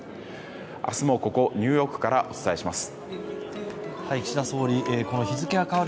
明日もここ、ニューヨークからお伝えします。